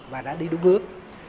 và đã đi đúng bước